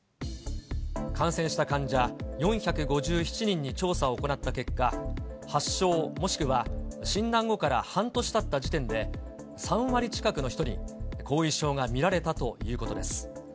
感染した患者４５７人に調査を行った結果、発症、もしくは診断後から半年たった時点で、３割近くの人に後遺症が見られたということです。